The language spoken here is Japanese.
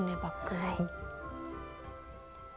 はい。